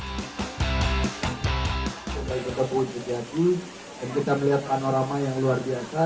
kita ikut ke buun sejati dan kita melihat panorama yang luar biasa